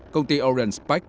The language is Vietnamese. công ty orient spec